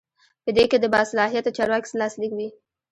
په دې کې د باصلاحیته چارواکي لاسلیک وي.